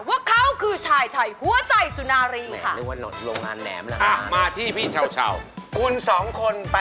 ว่าเขาคือชายไถ่หัวใจสุนาลีค่ะ